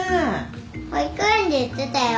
保育園で言ってたよ。